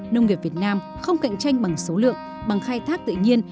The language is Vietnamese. nông nghiệp việt nam không cạnh tranh bằng số lượng bằng khai thác tự nhiên